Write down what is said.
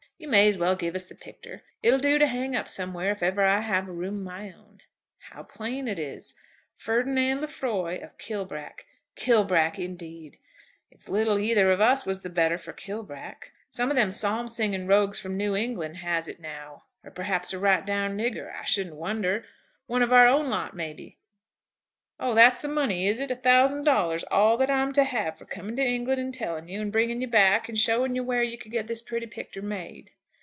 "You may as well give us the picter; it'll do to hang up somewhere if ever I have a room of my own. How plain it is. Ferdinand Lefroy, of Kilbrack! Kilbrack indeed! It's little either of us was the better for Kilbrack. Some of them psalm singing rogues from New England has it now; or perhaps a right down nigger. I shouldn't wonder. One of our own lot, maybe! Oh; that's the money, is it? A thousand dollars; all that I'm to have for coming to England and telling you, and bringing you back, and showing you where you could get this pretty picter made."